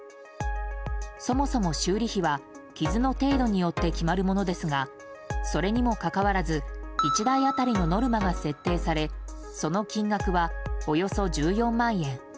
そもそも修理費は、傷の程度によって決まるものですがそれにもかかわらず１台当たりのノルマが設定されその金額はおよそ１４万円。